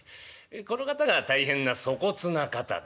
この方が大変な粗忽な方で。